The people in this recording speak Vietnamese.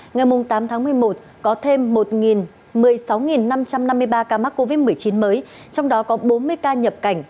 ngày tám tháng một mươi một có thêm một một mươi sáu năm trăm năm mươi ba ca mắc covid một mươi chín mới trong đó có bốn mươi ca nhập cảnh